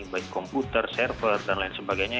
baik komputer server dan lain sebagainya